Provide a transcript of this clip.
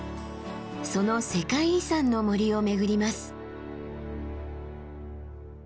その世界遺産の森を巡ります。